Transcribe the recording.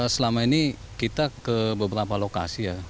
selama ini kita ke beberapa lokasi ya